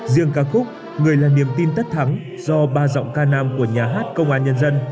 riêng ca khúc người là niềm tin tất thắng do ba giọng ca nam của nhà hát công an nhân dân